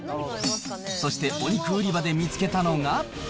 そして、お肉売り場で見つけたのが。